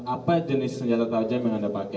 apa jenis senjata tajam yang anda pakai